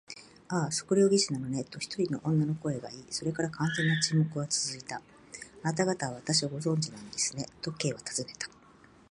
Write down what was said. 「ああ、測量技師なのね」と、一人の女の声がいい、それから完全な沈黙がつづいた。「あなたがたは私をご存じなんですね？」と、Ｋ はたずねた。